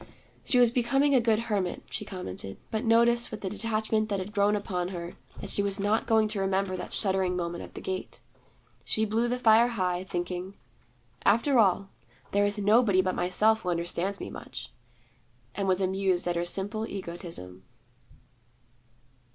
She was becoming a good hermit, she commented; but noticed, with the detachment that had grown upon her, that she was not going to remember that shuddering moment at the gate. She blew the fire high, thinking, 'After all, there is nobody but Myself who understands me much,' and was amused at her simple egotism.